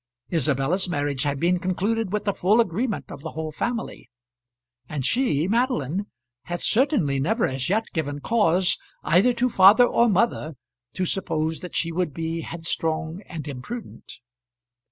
Isabella's marriage had been concluded with the full agreement of the whole family; and she, Madeline, had certainly never as yet given cause either to father or mother to suppose that she would be headstrong and imprudent.